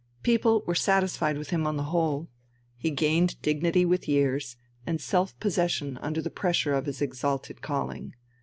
People were satisfied with him on the whole. He gained dignity with years, and self possession under the pressure of his exalted calling.